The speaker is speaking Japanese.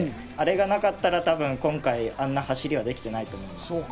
あれがなかったら今回、あんな走りはできていないと思います。